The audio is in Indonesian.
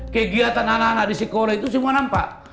kegiatan anak anak di sekolah itu semua nampak